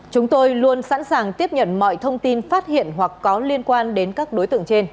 chúng tôi luôn sẵn sàng tiếp nhận mọi thông tin phát hiện hoặc có